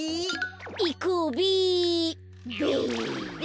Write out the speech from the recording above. いこうべべ。